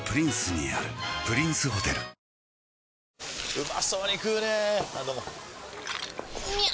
うまそうに食うねぇあどうもみゃう！！